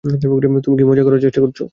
তুমি কি মজা করার চেষ্টা করছো?